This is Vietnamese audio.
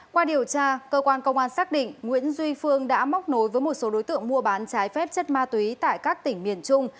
qua điều tra cơ quan công an xác định nguyễn duy phương đã móc nối với một số đối tượng mua bán trái phép chất ma túy tại các tỉnh miền trung